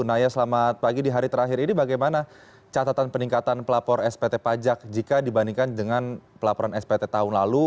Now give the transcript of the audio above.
naya selamat pagi di hari terakhir ini bagaimana catatan peningkatan pelapor spt pajak jika dibandingkan dengan pelaporan spt tahun lalu